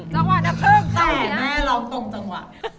แต่แม่ร้องตรงจังหวะ